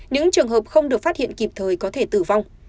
những trường hợp không được phát hiện kịp thời có thể tử vong